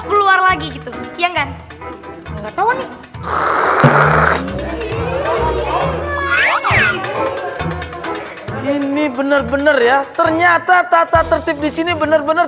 keluar lagi gitu ya enggak enggak tahu nih ini bener bener ya ternyata tata tertib disini bener bener